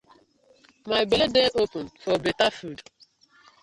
My belle dey open for betta food.